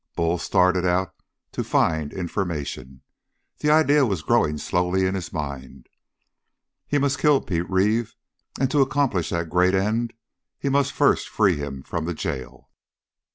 Bull started out to find information. This idea was growing slowly in his mind. He must kill Pete Reeve, and to accomplish that great end he must first free him from the jail.